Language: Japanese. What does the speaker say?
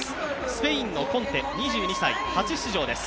スペインのコンテ２２歳、初出場です